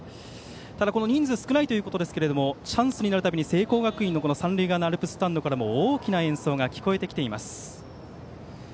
ただ、人数が少ないということですがチャンスになるたびに聖光学院の三塁側のアルプススタンドからも大きな演奏が聞こえてきています。